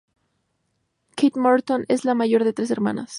Kate Morton es la mayor de tres hermanas.